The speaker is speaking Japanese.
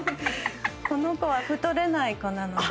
この子は太れない子なので。